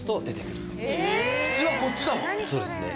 普通はこっちだもんね。